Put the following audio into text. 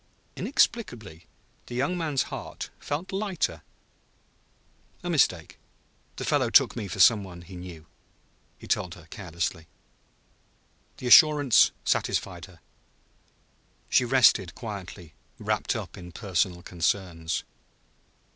Inexplicably the young man's heart felt lighter. "A mistake; the fellow took me for some one he knew," he told her carelessly. The assurance satisfied her. She rested quietly, wrapped up in personal concerns.